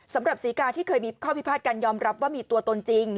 ศรีกาที่เคยมีข้อพิพาทการยอมรับว่ามีตัวตนจริง